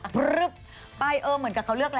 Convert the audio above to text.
พลึบไปเออเหมือนกับเขาเลือกแล้ว